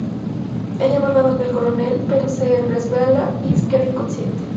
Ella vuelve a donde el Coronel, pero se resbala y queda inconsciente.